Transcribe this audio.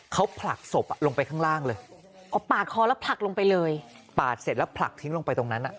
เขาผลักศพอ่ะลงไปข้างล่างเลยเอาปาดคอแล้วผลักลงไปเลยปาดเสร็จแล้วผลักทิ้งลงไปตรงนั้นอ่ะ